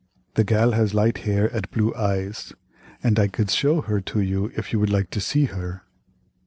The gal has light hair ad blue eyes, ad I cad show her to you if you would like to see her."